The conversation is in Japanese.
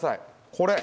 これ。